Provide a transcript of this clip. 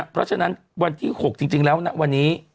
เพราะฉะนั้นวันที่๖จริงแล้วนะวันนี้